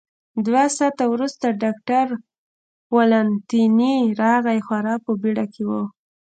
دوه ساعته وروسته ډاکټر والنتیني راغی، خورا په بېړه کې و.